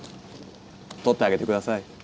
取ってあげてください。